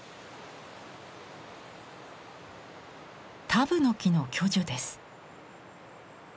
タブノキの巨樹です。